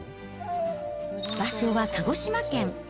場所は鹿児島県。